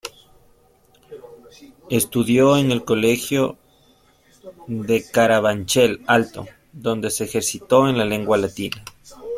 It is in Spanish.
Estudió en el colegio de Carabanchel Alto, donde se ejercitó en la lengua latina.